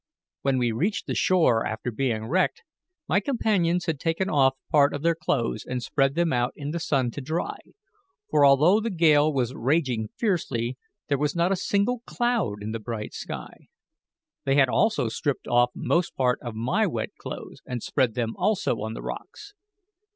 When we reached the shore after being wrecked, my companions had taken off part of their clothes and spread them out in the sun to dry; for although the gale was raging fiercely, there was not a single cloud in the bright sky. They had also stripped off most part of my wet clothes and spread them also on the rocks.